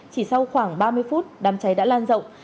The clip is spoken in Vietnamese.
chỉ sau khoảng ba mươi phút đám cháy đã lan rộng